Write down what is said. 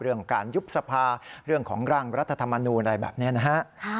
เรื่องของการยุบสภาเรื่องของร่างรัฐธรรมนูลอะไรแบบนี้นะฮะ